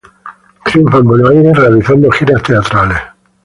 Triunfa en Buenos Aires realizando giras teatrales.